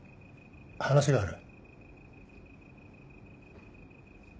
・話がある。